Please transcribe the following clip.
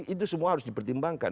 itu semua harus dipertimbangkan